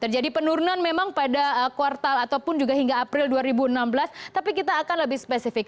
terjadi penurunan memang pada kuartal ataupun juga hingga april dua ribu enam belas tapi kita akan lebih spesifik